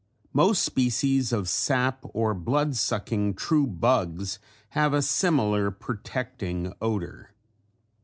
Most species of sap or blood sucking true bugs have a similar protecting odor.